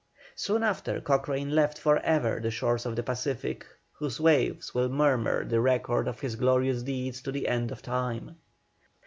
Soon after, Cochrane left for ever the shores of the Pacific, whose waves will murmur the record of his glorious deeds to the end of time.